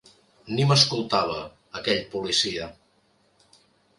Ni m’escoltava, aquell policia.